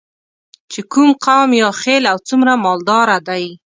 چې کوم قوم یا خیل او څومره مالداره دی.